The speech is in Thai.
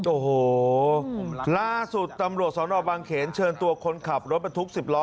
โอ้โหล่าสุดตำรวจสนบางเขนเชิญตัวคนขับรถบรรทุก๑๐ล้อ